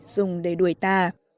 dùng để đuổi tà